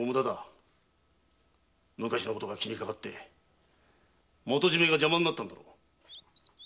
昔のことが気にかかって元締が邪魔になったんだろう。